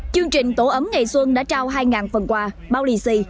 chương trình tổ ấm ngày xuân đã trao hai phần quà bao lì xì